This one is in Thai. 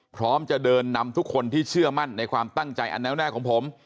พร้อมจะเดินนำทุกคนที่เชื่อมั่นในความตั้งใจอันแน่วแน่ของผม